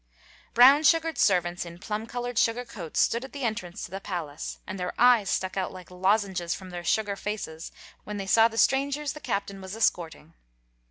Brown sugar servants in plum colored sugar coats stood at the entrance to the palace, and their eyes stuck out like lozenges from their sugar faces when they saw the strangers the Captain was escorting.